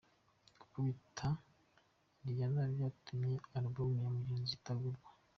Gukubita Riyana byatumye alubumu ya Muneza itagurwa